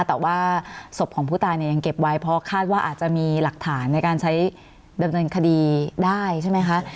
แต่ว่าศพของผู้ตายเนี่ยยังเก็บไว้เพราะคาดว่าอาจจะมีหลักฐานในการใช้ดำเนินคดีได้ใช่ไหมคะ